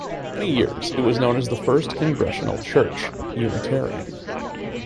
For many years it was known as The First Congregational Church (Unitarian).